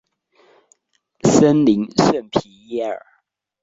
森林圣皮耶尔。